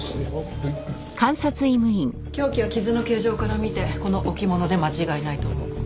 凶器は傷の形状から見てこの置物で間違いないと思う。